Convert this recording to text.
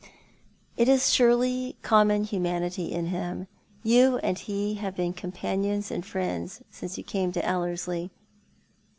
" It is surely common humanity in him. You and he have been companions and friends since you came to Ellerslie."